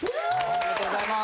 おめでとうございます。